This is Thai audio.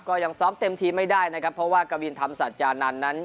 ก็ยังซ้อมเต็มทีมไม่ได้นะครับเพราะว่ากวินธรรมสัจจานันทร์นั้น